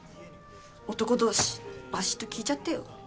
男同士バシッと聞いちゃってよ！